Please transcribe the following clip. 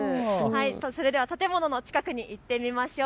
建物の近くに行ってみましょう。